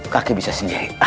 kakek bisa sendiri